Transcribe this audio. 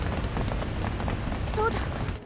そうだ！